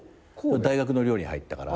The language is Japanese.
大学の寮に入ったから。